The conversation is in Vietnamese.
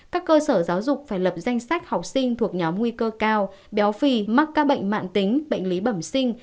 các cơ sở giáo dục phải lập danh sách học sinh thuộc nhóm nguy cơ cao béo phì mắc các bệnh mạng tính bệnh lý bẩm sinh